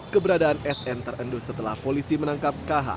keberadaan sn terendus setelah polisi menangkap kh